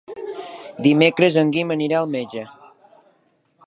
Dimecres en Guim anirà al metge.